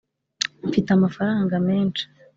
mfite amafaranga.menshi